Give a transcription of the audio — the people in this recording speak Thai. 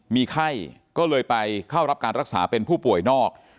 มีไข้ก็เลยไปเข้ารับการรักษาเป็นผู้ป่วยนอก